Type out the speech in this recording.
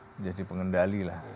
menjadi pengendali lah